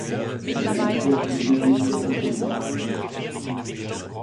Er lobte lediglich dessen Mittelteil.